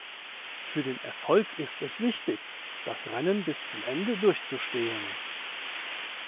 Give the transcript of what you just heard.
Für den Erfolg ist es wichtig, das Rennen bis zum Ende durchzustehen.